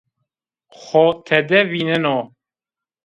Xo tede vîneno